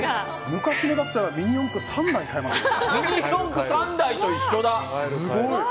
昔のだったらミニ四駆３台買えますよ。